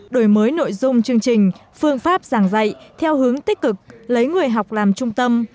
đổi mới nội dung chương trình phương pháp giảng dạy theo hướng tích cực lấy người học làm trung tâm